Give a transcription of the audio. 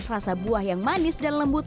rasa buah yang manis dan lembut